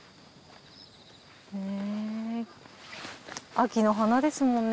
秋の花ですもんね